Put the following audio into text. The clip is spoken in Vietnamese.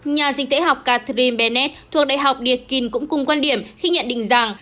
nhà dịch tễ học catherine bennett thuộc đại học điệt kinh cũng cùng quan điểm khi nhận định rằng